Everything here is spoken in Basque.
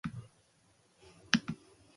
Jack eseri, eta zigarro-pakete bat atera zuen.